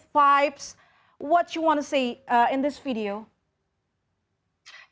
apa yang ingin anda katakan di video ini